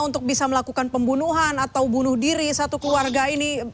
untuk bisa melakukan pembunuhan atau bunuh diri satu keluarga ini